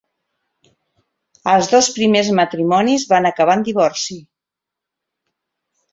Els dos primers matrimonis van acabar en divorci.